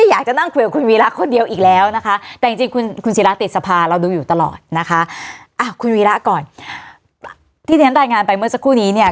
อ้าวคุณวีระก่อนที่เนี้ยได้งานไปเมื่อสักครู่นี้เนี้ย